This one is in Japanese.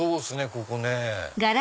ここね。